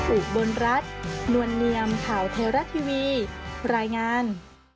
อุบลรัฐนวลเนียมข่าวไทยรัฐทีวีรายงาน